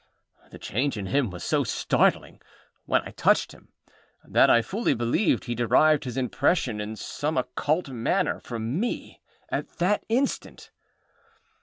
The change in him was so startling, when I touched him, that I fully believe he derived his impression in some occult manner from me at that instant.